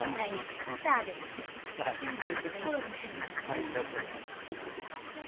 あいつだったんだけどさ。